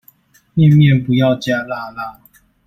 麵麵不要加辣辣